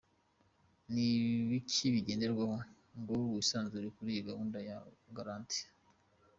Ni ibiki bigenderwaho ngo wisanzure kuri iyi gahunda ya garanti? .